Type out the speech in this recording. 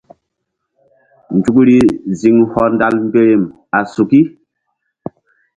Nzukri ziŋ hɔndal mberem a suki.